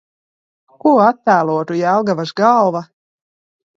Ko attēlotu Jelgavas galva?